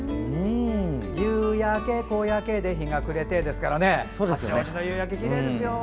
「夕焼け小焼けで日が暮れて」ですから八王子の夕焼け、きれいですよ。